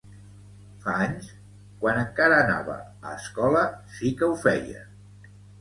Fa anys, quan encara anava a escola, sí que ho feia.